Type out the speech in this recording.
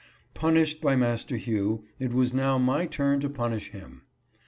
Punished by Master Hugh, it was now my turn to punish him.